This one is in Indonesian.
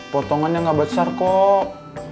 potongannya gak besar kok